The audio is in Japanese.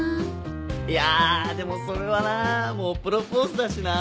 いやでもそれはなもうプロポーズだしな。